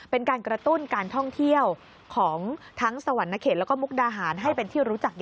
เป็นการกระตุ้นการท่องเที่ยวของทั้งสวรรค์นาเขต